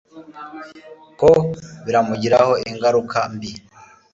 ko biramugiraho ingaruka mbi